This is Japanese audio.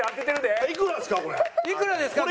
いくらですか？